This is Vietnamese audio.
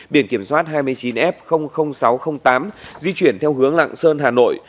biển kiểm soát hai mươi chín f sáu trăm linh tám di chuyển theo hướng lạng sơn hà nội